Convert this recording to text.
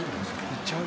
行っちゃう？